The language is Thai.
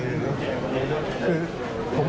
อละครับ